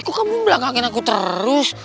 kok kamu belakangin aku terus